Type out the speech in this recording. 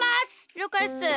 りょうかいっす。